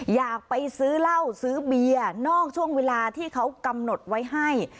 อยากไปซื้อเหล้าซื้อเบียร์นอกช่วงเวลาที่เขากำหนดไว้ให้